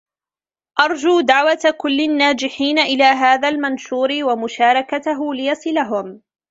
ارجو دعوة كل الناجحين الى هذا المنشور و مشاركته ليصلهم.